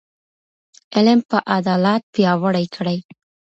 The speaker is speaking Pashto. علم به عدالت پیاوړی کړي.